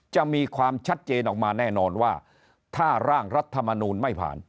จะมีความชัดเจนออกมาแน่นอนว่าถ้าร่างรัฐมนูลไม่ผ่าน